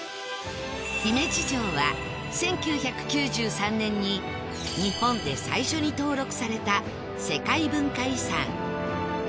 姫路城は１９９３年に日本で最初に登録された世界文化遺産